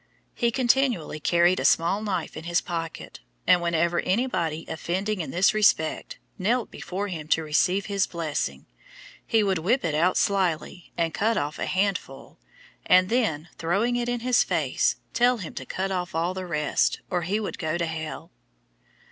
He continually carried a small knife in his pocket, and whenever any body offending in this respect knelt before him to receive his blessing, he would whip it out slily, and cut off a handful, and then, throwing it in his face, tell him to cut off all the rest, or he would go to hell.